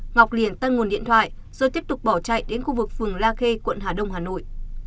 ngọc liền tăng nguồn điện thoại rồi tiếp tục bỏ chạy đến khu vực phường la khê quận hà đông hà nội